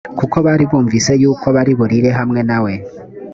kuko bari bumvise yuko bari burire hamwe na we